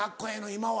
今は。